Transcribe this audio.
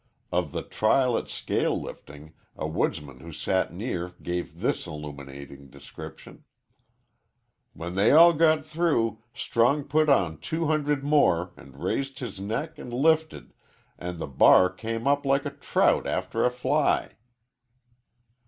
Of the trial at scale lifting a woodsman who stood near gave this illuminating description, "When they all got through, Strong put on two hundred more an' raised his neck an' lifted, an' the bar come up like a trout after a fly."